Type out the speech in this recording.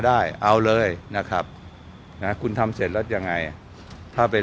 ได้เอาเลยนะครับนะคุณทำเสร็จแล้วยังไงถ้าเป็น